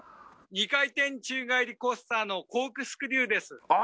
「２回転宙返りコースターのコークスクリューです」ああ！